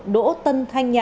đỗ tân thanh nhã hai mươi một